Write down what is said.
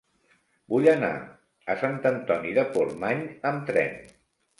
Vull anar a Sant Antoni de Portmany amb tren.